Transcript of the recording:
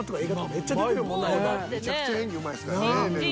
確かにめちゃくちゃ演技うまいですからねめるる。